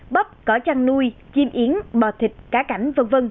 bắp cỏ chăn nuôi chim yến bò thịt cá cảnh v v